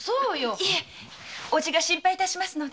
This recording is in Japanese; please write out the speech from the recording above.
いえ伯父が心配致しますので。